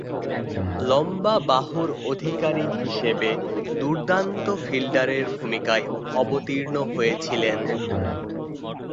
লম্বা বাহুর অধিকারী হিসেবে দূর্দান্ত ফিল্ডারের ভূমিকায় অবতীর্ণ হয়েছিলেন।